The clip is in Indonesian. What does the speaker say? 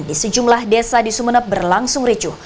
di sejumlah desa di sumeneb berlangsung ricuh